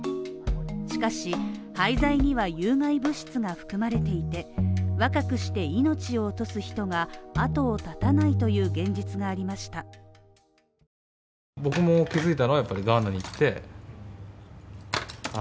しかし、廃材には有害物質が含まれていて、若くして命を落とす人が後を絶たないという現実がありました。